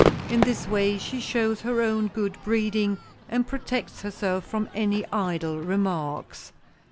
In this way she shows her own good breeding and protects herself from any idle remarks.